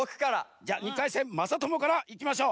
じゃ２かいせんまさともからいきましょう。